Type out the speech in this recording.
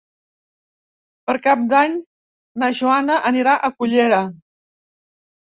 Per Cap d'Any na Joana anirà a Cullera.